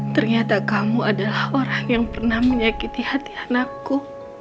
ternyata kamu adalah orang yang pernah menyakiti hati anakku